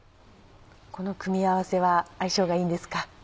この組み合わせは相性がいいんですか？